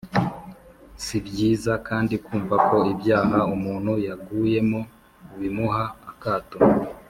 si byiza kandi kumva ko ibyaha umuntu yaguyemo bimuha akato.